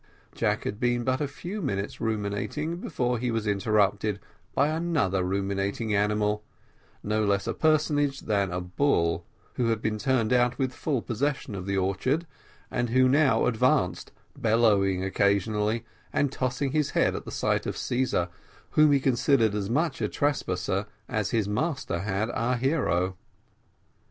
Jack had been but a few minutes ruminating before he was interrupted by another ruminating animal, no less a personage than a bull, who had been turned out with full possession of the orchard, and who now advanced, bellowing occasionally, and tossing his head at the sight of Caesar, whom he considered as much a trespasser as his master had our hero.